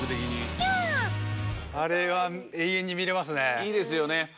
いいですよね！